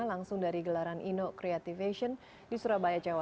langsung dari gelaran inno creativation di surabaya jawa